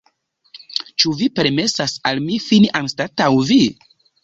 Ĉu vi permesas al mi fini anstataŭ vi?